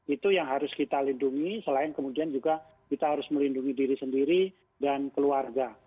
itu yang harus kita lindungi selain kemudian juga kita harus melindungi diri sendiri dan keluarga